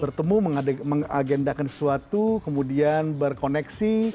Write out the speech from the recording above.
bertemu mengagendakan sesuatu kemudian berkoneksi